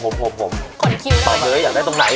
ตอบเลยเป็นกูนี่ตอบแล้วอยากได้ตรงไหน